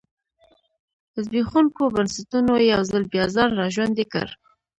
زبېښونکو بنسټونو یو ځل بیا ځان را ژوندی کړ.